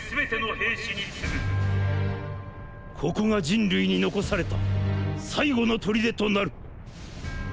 ここが人類に残された最後の砦となる。